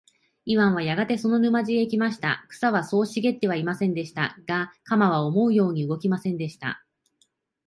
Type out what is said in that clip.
イワンはやがてその沼地へ来ました。草はそう茂ってはいませんでした。が、鎌は思うように動きませんでした。